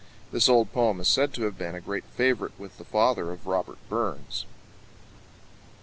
This old poem is said to have been a great favourite with the father of Robert Burns.